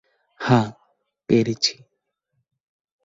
হাঁ, পেরেছি।